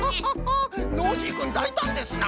ノージーくんだいたんですな。